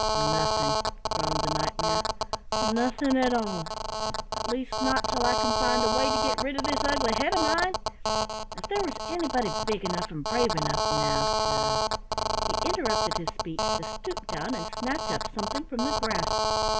"Nothing," groaned the Knight mare, "nothing at all. At least not till I can find a way to get rid of this ugly head of mine. If there was anybody big enough and brave enough, now, to " He interrupted his speech to stoop down and snatch up something from the grass.